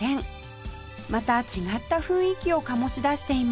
また違った雰囲気を醸し出しています